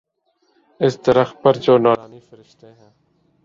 اس درخت پر جو نوارنی فرشتے ہیں۔